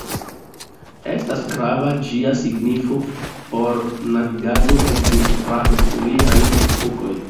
Estas grava ĝia signifo por navigado ekde prahistoriaj epokoj.